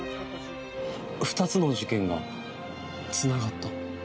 ２つの事件がつながった。